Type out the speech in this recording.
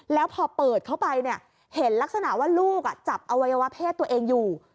แล้วพอเปิดเข้าไปเนี่ยเห็นลักษณะว่าลูกจับอวัยวะเพศตัวเองอยู่